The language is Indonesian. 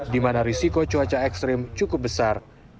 di mana risiko cuaca ekstrim cukup besar